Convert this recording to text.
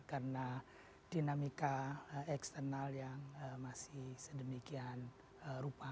karena dinamika eksternal yang masih sedemikian rupa